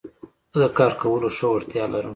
زه د کار کولو ښه وړتيا لرم.